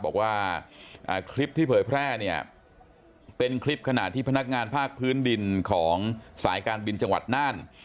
บอกว่าคลิปที่เผยแพร่เนี่ยเป็นคลิปขณะที่พนักงานภาคพื้นดินของสายการบินจังหวัดน่าน